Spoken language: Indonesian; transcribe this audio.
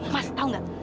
mas tau gak